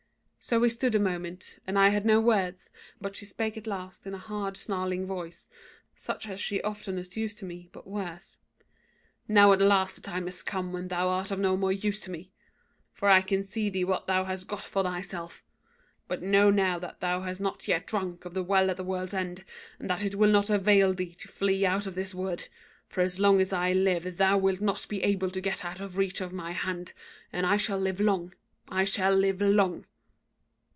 So we stood a moment, and I had no words, but she spake at last in a hard, snarling voice, such as she oftenest used to me, but worse. "'Now at last the time has come when thou art of no more use to me; for I can see thee what thou hast got for thyself. But know now that thou hast not yet drunk of the Well at the World's End, and that it will not avail thee to flee out of this wood; for as long as I live thou wilt not be able to get out of reach of my hand; and I shall live long: I shall live long.